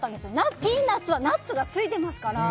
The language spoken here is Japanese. ピーナツはナッツがついてますから。